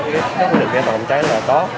cái quy định về phòng cháy là có